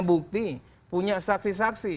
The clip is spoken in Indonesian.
bukti punya saksi saksi